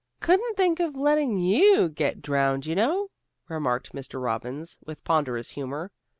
"Couldn't think of letting you get drowned, you know," remarked Mr. Robbins with ponderous humor.